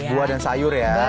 buah dan sayur ya